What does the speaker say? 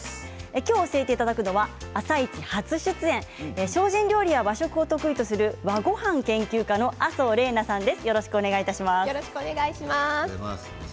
今日教えてくださるのは「あさイチ」初出演精進料理や和食を得意とする和ごはん研究家の麻生怜菜さんです。